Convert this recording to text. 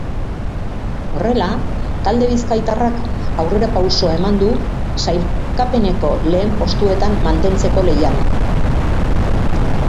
Horrela, talde bizkaitarrak aurrerapausoa eman du sailkapeneko lehen postuetan mantentzeko lehian.